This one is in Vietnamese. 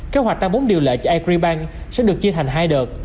kế hoạch tăng bốn điều lệ cho agribank sẽ được chia thành hai đợt